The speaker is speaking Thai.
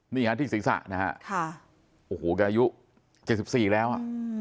นี่ฮะที่ศีรษะนะฮะค่ะโอ้โหกายุเจ็บสิบสี่แล้วอ่ะ